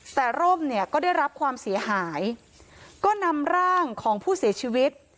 แต่ร่มเนี่ยก็ได้รับความเสียหายก็นำร่างของผู้เสียชีวิต